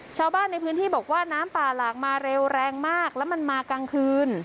ชาวบ้านในพื้นที่บอกว่าน้ำป่าหลากมาเร็วแรงมากแล้วมันมากลางคืน